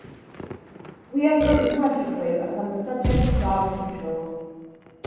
We have heard much of late upon the subject of dog control.